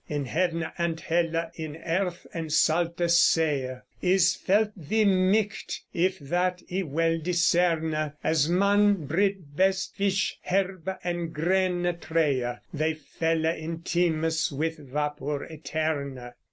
In hevene and helle, in erthe and salte see Is felt thy might, if that I wel descerne; As man, brid, best, fish, herbe and grene tree Thee fele in tymes with vapour eterne.